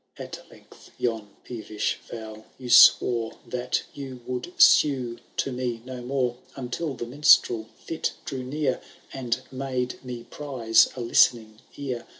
At length yon peevish vow you swore, That you would sue to me no more.* Until the minstrel fit drew near. And made me prize a listening ear.